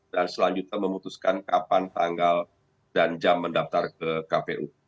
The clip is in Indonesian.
dan selanjutnya memutuskan kapan tanggal dan jam mendaftar ke kpu